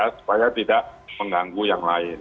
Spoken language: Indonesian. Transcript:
supaya tidak mengganggu yang lain